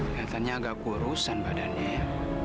kelihatannya agak kurusan badannya ya